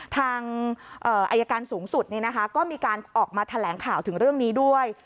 ทางอายการสูงสุดก็มีการออกมาแถลงข่าวถึงเรื่องนี้ด้วย